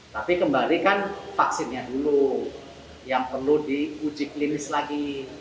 tapi kembali kan vaksinnya dulu yang perlu diuji klinis lagi